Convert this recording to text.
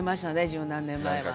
十何年前は。